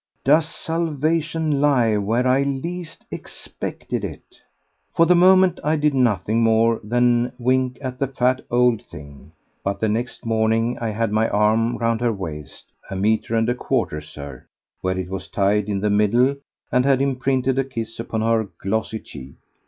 "Does salvation lie where I least expected it?" For the moment I did nothing more than wink at the fat old thing, but the next morning I had my arm round her waist—a metre and a quarter, Sir, where it was tied in the middle—and had imprinted a kiss upon her glossy cheek.